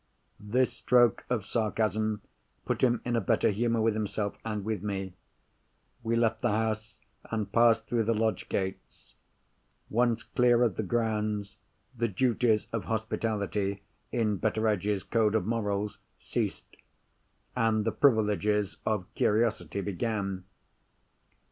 This stroke of sarcasm put him in a better humour with himself and with me. We left the house, and passed through the lodge gates. Once clear of the grounds, the duties of hospitality (in Betteredge's code of morals) ceased, and the privileges of curiosity began.